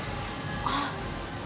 あっ。